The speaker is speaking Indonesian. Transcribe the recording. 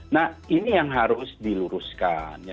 nah ini yang harus diluruskan